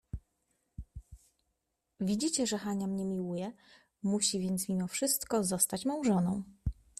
"Widzicie, że Hania mnie miłuje, musi więc, mimo wszystko, zostać mą żoną."